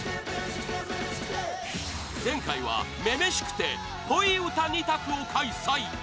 前回は「女々しくて」っぽい歌２択を開催